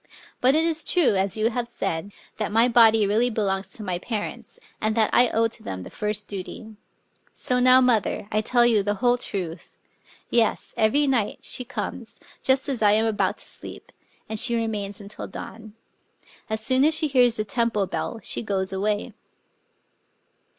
But it is true, as you have said, that my body really belongs to my parents, and that I owe to them the first duty. So now, mother, I tell you the whole truth. .•• Yes : every night she comes, just as I am about to sleep; and she remains until dawn. As soon as she hears the temple bell, she goes away."